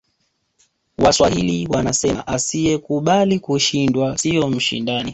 waswahili wanasema asiyekubali kushindwa siyo mshindani